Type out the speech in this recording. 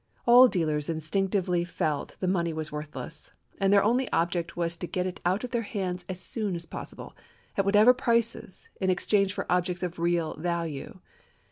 All dealers instinctively felt the money was worthless, and their only object was to get it out of their hands as soon as possible, at whatever prices, in exchange for objects of real value.